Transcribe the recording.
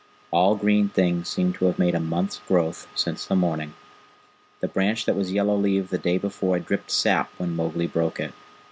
All green things seemed to have made a month's growth since the morning. The branch that was yellow leaved the day before dripped sap when Mowgli broke it.